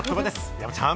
山ちゃん